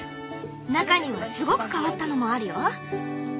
中にはすごく変わったのもあるよ。